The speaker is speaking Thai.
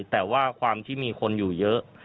แต่ว่าความที่มีคนอยู่เยอะ